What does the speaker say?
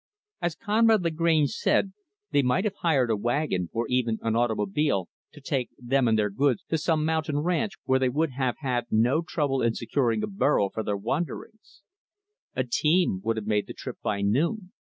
As Conrad Lagrange said they might have hired a wagon, or even an automobile, to take them and their goods to some mountain ranch where they would have had no trouble in securing a burro for their wanderings A team would have made the trip by noon.